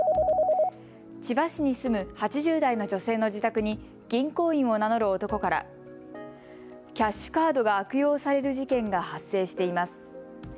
千葉市に住む８０代の女性の自宅に銀行員を名乗る男からキャッシュカードが悪用される事件が発生しています。